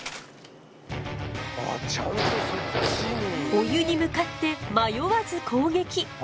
お湯に向かって迷わず攻撃！